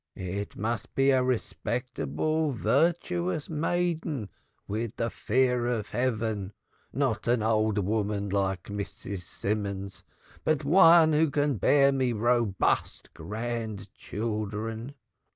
It must be a respectable, virtuous maiden, with the fear of heaven not an old woman like Mrs. Simons, but one who can bear me robust grandchildren.